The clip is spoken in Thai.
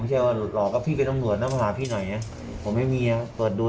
พี่จับพี่จับโอ้เดี๋ยวหลอกกูด้วยมึงหลอกคนอื่นได้อย่างหลอกกู